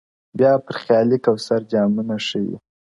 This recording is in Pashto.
• بیا پر خیالي کوثر جامونه ښيي -